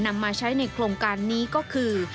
นำมาใช้ในโครงการนี้ก็คือ